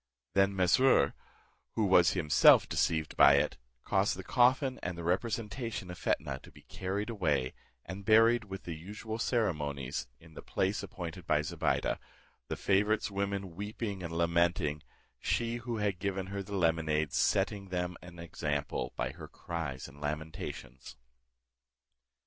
Then Mesrour, who was himself deceived by it, caused the coffin and the representation of Fetnah to be carried away, and buried with the usual ceremonies in the place appointed by Zobeide, the favourite's women weeping and lamenting, she who had given her the lemonade setting them an example by her cries and lamentations.